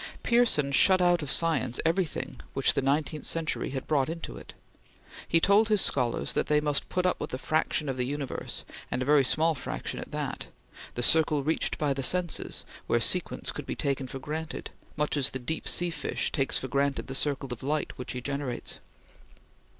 Pearson shut out of science everything which the nineteenth century had brought into it. He told his scholars that they must put up with a fraction of the universe, and a very small fraction at that the circle reached by the senses, where sequence could be taken for granted much as the deep sea fish takes for granted the circle of light which he generates.